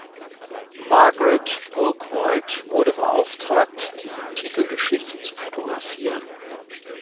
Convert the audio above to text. Margaret Bourke-White wurde beauftragt, die Titelgeschichte zu fotografieren.